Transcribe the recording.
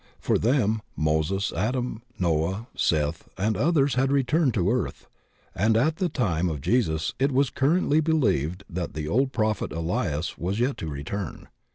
For them Moses, Adam, Noah, Seth, and others had returned to earth, and at the time of Jesus it was currently believed that the old prophet Elias was yet to return.